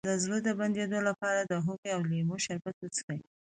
د زړه د بندیدو لپاره د هوږې او لیمو شربت وڅښئ